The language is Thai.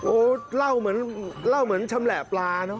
โอ้เล่าเหมือนชำแหลปลาเนอะ